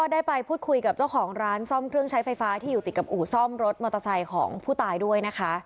ได้ไปพูดคุยกับเจ้าของร้านซ่อมเครื่องใช้ไฟฟ้าที่อยู่ติดกับอู่ซ่อมรถมอเตอร์ไซค์ของผู้ตายด้วยนะคะ